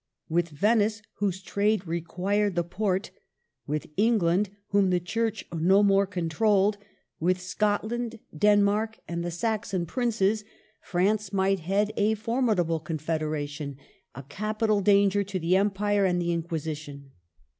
With Venice, whose trade required the Porte ; with England, whom the Church no more controlled ; with Scotland, Denmark, and the Saxon princes. CHANGES. 157 France might head a formidable confederation, a capital danger to the Empire and the Inquisi tion.